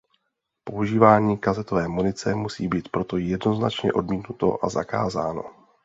Používání kazetové munice musí být proto jednoznačně odmítnuto a zakázáno.